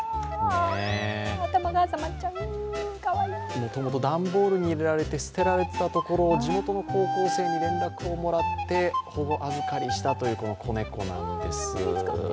もともと段ボールに入れられて捨てられていたところ地元の高校生に連絡をもらって、保護預りしたという子猫なんです。